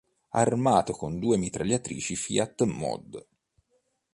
Armato con due mitragliatrici Fiat Mod.